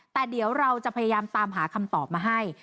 แต่เดี๋ยวเราจะพยายามตามหาคำตอบมาให้